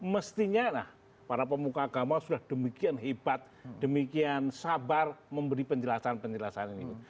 mestinya para pemuka agama sudah demikian hebat demikian sabar memberi penjelasan penjelasan ini